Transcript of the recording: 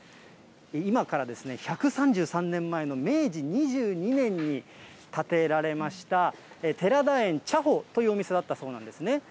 今から１３３年前の明治２２年に建てられました、寺田園茶舗というお店だったそうなんですね。